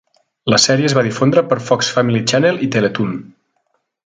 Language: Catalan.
La sèrie es va difondre per Fox Family Channel i Teletoon.